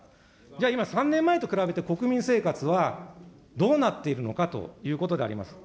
じゃあ今、３年前と比べて国民生活はどうなっているのかということであります。